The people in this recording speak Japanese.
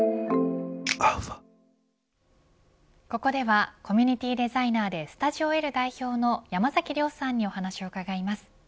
ここではコミュニティデザイナーでｓｔｕｄｉｏ‐Ｌ代表の山崎亮さんにお話を伺います。